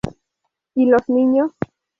Y los niños